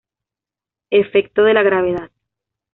Efecto de la gravedad.